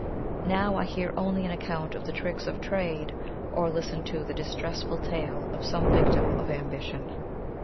Now I hear only an account of the tricks of trade, or listen to the distressful tale of some victim of ambition.